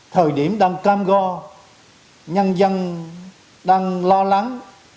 thời điểm đang cam go nhân dân đang lo lắng